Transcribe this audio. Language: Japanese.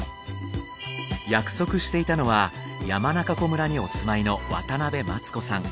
約束していたのは山中湖村にお住まいの渡辺松子さん。